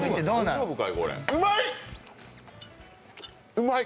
うまい！